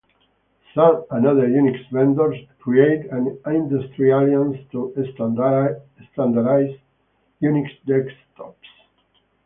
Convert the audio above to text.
Sun and other Unix vendors created an industry alliance to standardize Unix desktops.